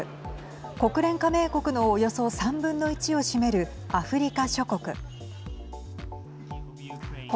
国連加盟国のおよそ３分の１を占めるアフリカ諸国。